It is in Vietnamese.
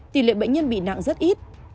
tỷ lệ bệnh nhân bị nặng rất ít